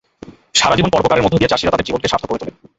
সারা জীবন পরোপকারের মধ্য দিয়ে চাষিরা তাঁদের জীবনকে সার্থক করে তোলেন।